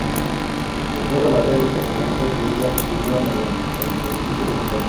Incluso la sede y pertenencias de ella estuvieron en el edificio de la Escuela.